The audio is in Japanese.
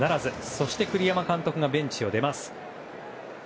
そして栗山監督がベンチを出ました。